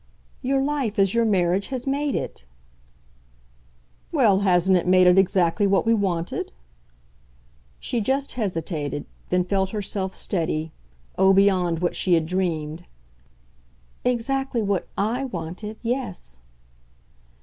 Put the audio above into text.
"Your life as your marriage has made it." "Well, hasn't it made it exactly what we wanted?" She just hesitated, then felt herself steady oh, beyond what she had dreamed. "Exactly what I wanted yes."